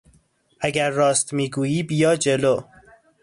اگر راست میگویی بیا جلو!